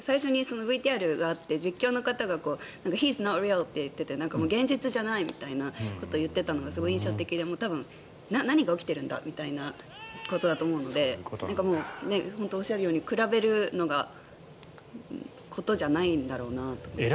ＶＴＲがあって実況の方がヒー・イズ・ノーリアルって現実じゃないみたいなことを言っていたのがすごい印象的で何が起きてるんだみたいなことだと思うのでおっしゃるように比べるようなことじゃないんだろうなって。